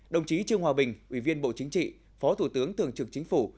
đồng chí trương hòa bình ủy viên bộ chính trị phó thủ tướng thường trực chính phủ